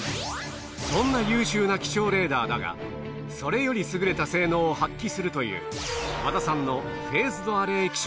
そんな優秀な気象レーダーだがそれより優れた性能を発揮するという和田さんのフェーズドアレイ気象レーダー